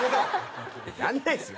やらないですよ！